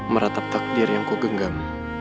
meratap takdir yang kau genggam